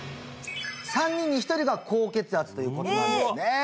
人に１人が高血圧ということなんですね